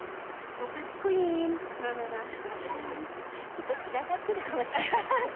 ちょっと散らかってるかもしれないけど。